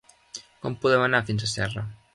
Com podem anar fins a Serra?